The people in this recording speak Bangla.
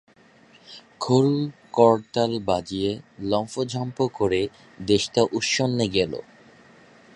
খোল-করতাল বাজিয়ে লম্ফঝম্প করে দেশটা উৎসন্নে গেল।